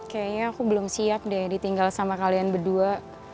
kayaknya aku belum siap deh ditinggal sama kalian berdua